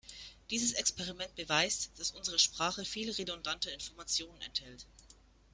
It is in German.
Dieses Experiment beweist, dass unsere Sprache viel redundante Information enthält.